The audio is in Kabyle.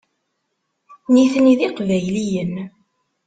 Nitni d Iqbayliyen.